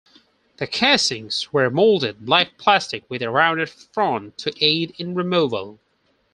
The casings were molded black plastic with a rounded front to aid in removal.